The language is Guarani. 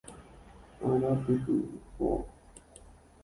Ára pytuho.